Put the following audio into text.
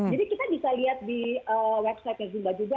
jadi kita bisa lihat di website zumba juga